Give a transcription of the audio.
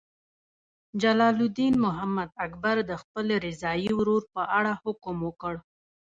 جلال الدین محمد اکبر د خپل رضاعي ورور په اړه حکم وکړ.